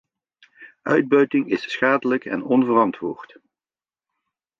Uitbuiting is schadelijk en onverantwoord.